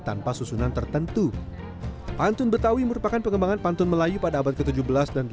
tanpa susunan tertentu pantun betawi merupakan pengembangan pantun melayu pada abad ke tujuh belas dan tujuh